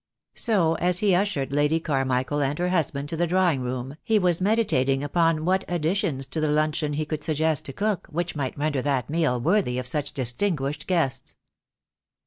So as he ushered Lady Carmichael and her husband to the drawing room he was meditating upon what additions to the luncheon he could suggest to cook which might render that meal worthy of such distinguished guests.